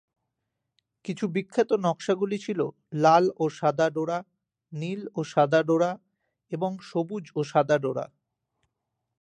কিছু বিখ্যাত নকশাগুলি ছিল লাল ও সাদা ডোরা, নীল ও সাদা ডোরা এবং সবুজ ও সাদা ডোরা।